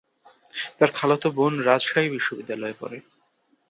তার খালাতো বোন রাজশাহী বিশ্বনিদ্যালয়ে পড়ে।